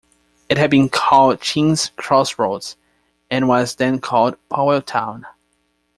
It had been called "Chinn's Crossroads", and was then called Powell Town.